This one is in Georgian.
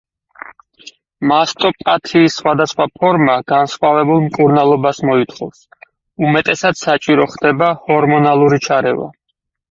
მასტოპათიის სხვადასხვა ფორმა განსხვავებულ მკურნალობას მოითხოვს, უმეტესად, საჭირო ხდება ჰორმონული ჩარევა.